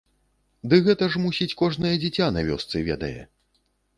Ды гэта ж, мусіць, кожнае дзіця на вёсцы ведае.